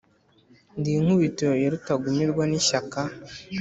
Ndi inkubito ya Rutagumirwa n’ ishyaka